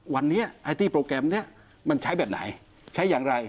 วันนี้ไอ้ที่โปรแกรมนี้มันใช้แบบไหนใช้อย่างไร